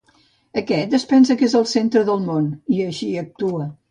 Aquest es pensa que és el centre del món, i així actua.